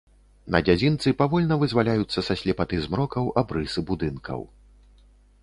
На дзядзінцы павольна вызваляюцца са слепаты змрокаў абрысы будынкаў.